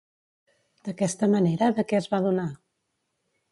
D'aquesta manera, de què es va adonar?